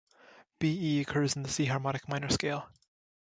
B-E occurs in the C harmonic minor scale.